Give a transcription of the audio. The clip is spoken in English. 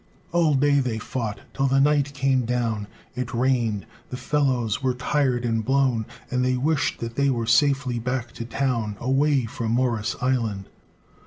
IV All day they fought, till the night came down; It rained; the fellows were tired and blown, And they wished they were safely back to town, Away from Morris' Island.